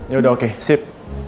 yaudah oke sip